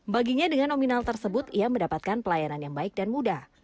baginya dengan nominal tersebut ia mendapatkan pelayanan yang baik dan mudah